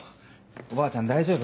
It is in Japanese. おばあちゃん大丈夫？